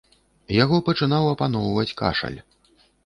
Яго пачынаў апаноўваць кашаль.